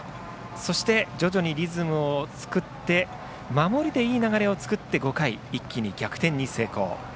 そして徐々にリズムを作って守りでいい流れを作って５回一気に逆転に成功。